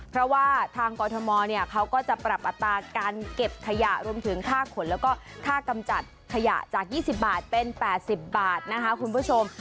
เพราะว่าทางกรทมเขาก็จะปรับอัตราการเก็บขยะรวมถึงค่าขนแล้วก็ค่ากำจัดขยะจาก๒๐บาทเป็น๘๐บาทนะคะคุณผู้ชม